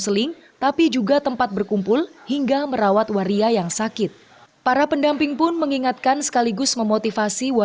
supaya juga saya meminta supaya kepada waria di seluruh surabaya ini bahwa hiv stop sampai di sini